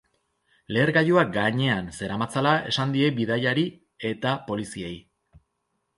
Lehergailuak gainean zeramatzala esan die bidaiari eta poliziei.